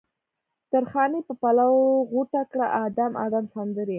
درخانۍ په پلو غوټه کړه ادم، ادم سندرې